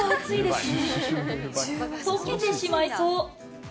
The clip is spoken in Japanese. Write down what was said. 溶けてしまいそう。